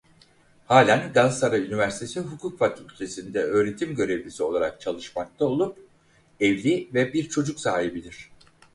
Halen Galatasaray Üniversitesi Hukuk Fakültesi'nde öğretim görevlisi olarak çalışmakta olup evli ve bir çocuk sahibidir.